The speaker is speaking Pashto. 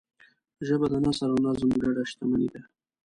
ژبه د نثر او نظم ګډ شتمنۍ ده